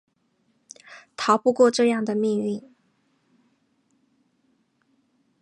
逃不过这样的命运